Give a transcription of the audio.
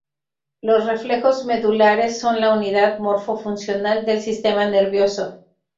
Los reflejos medulares son la unidad morfo-funcional del sistema nervioso.